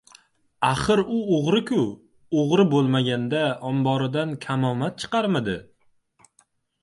Axir, u o‘g‘ri-ku! O‘g‘ri bo‘lmaganda, omboridan kamomad chiqarmidi?